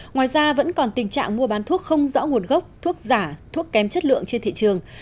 ngoài ra vẫn còn tình trạng mua bán thuốc không rõ nguồn gốc thuốc giả thuốc kém chất lượng trên thị trường